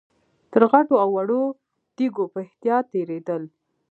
تر غټو او وړو تيږو په احتياط تېرېدل.